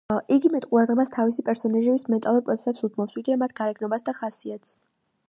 იგი მეტ ყურადღებას თავისი პერსონაჟების მენტალურ პროცესებს უთმობს, ვიდრე მათ გარეგნობასა და ხასიათს.